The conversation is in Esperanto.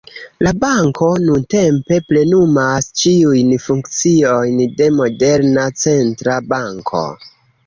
La banko nuntempe plenumas ĉiujn funkciojn de moderna centra banko.